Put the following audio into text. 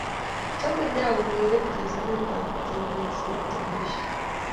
Chame nea kokere chesanet ab tenis eng telepisien